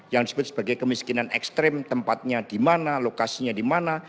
yang disebut sebagai kemiskinan ekstrim tempatnya di mana lokasinya di mana